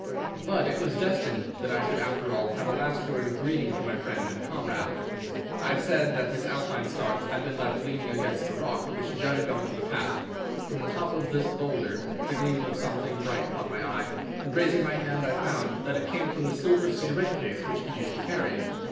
But it was destined that I should after all have a last word of greeting from my friend and comrade. I have said that his Alpine stock had been left leaning against a rock which jutted on to the path. From the top of this boulder the gleam of something bright caught my eye, and, raising my hand, I found that it came from the silver cigarette case which he used to carry.